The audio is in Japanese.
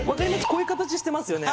こういう形してますよね？